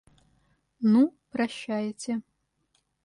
Ну, прощайте.